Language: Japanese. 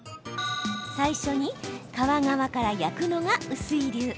最初に皮側から焼くのがうすい流。